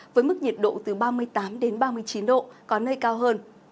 với mức nhiệt độ từ ba mươi tám ba mươi chín độ có nơi cao hơn